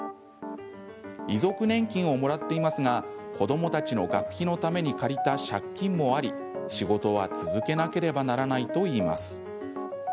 遺族年金をもらっていますが子どもたちの学費のために借りた借金もあり、仕事は続けなければならないと言います。